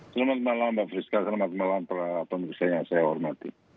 selamat malam mbak friska selamat malam para pemirsa yang saya hormati